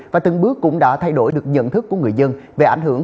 và từng bước cũng đã thay đổi được nhận thức của người dân